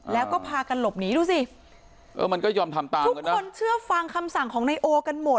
แล้วก็พากันหลบหนีดูสิเออมันก็ยอมทำตามคนเชื่อฟังคำสั่งของนายโอกันหมด